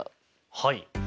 はい。